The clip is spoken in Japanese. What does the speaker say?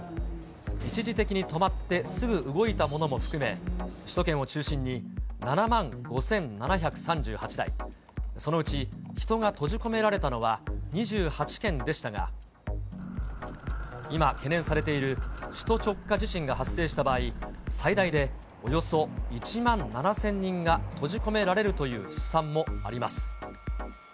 一時的に止まって、すぐ動いたものも含め、首都圏を中心に７万５７３８台、そのうち人が閉じ込められたのは２８件でしたが、今、懸念されている首都直下地震が発生した場合、最大でおよそ１万７０００人が閉じ込められるという試算もあります。